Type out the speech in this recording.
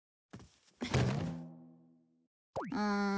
うん。